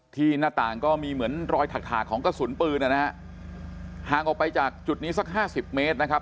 หน้าต่างก็มีเหมือนรอยถักถากของกระสุนปืนนะฮะห่างออกไปจากจุดนี้สักห้าสิบเมตรนะครับ